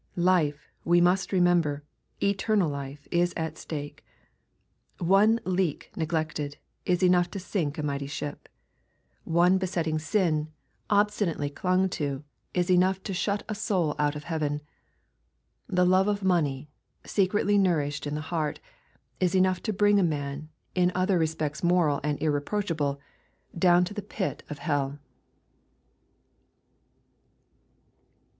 Life^e must remember, eternal life is at stake ! One leak neglected, is enough to sink a mighty ship. One besetting sin, LUKE, CHAP. xvin. 273 obstinately clung to, is enough to shut a soul out of heaven. The love oT money, secretly nourished in the heart, is enough to bring a man, in other respects moral and irreproachable, down to the pit of hell.